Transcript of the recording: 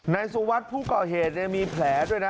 นายสุวัสดิ์ผู้ก่อเหตุมีแผลด้วยนะ